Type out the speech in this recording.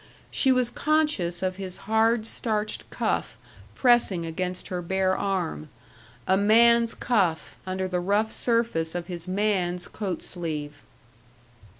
She was conscious of his hard starched cuff pressing against her bare arm a man's cuff under the rough surface of his man's coat sleeve.